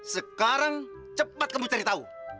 sekarang cepat kamu cari tahu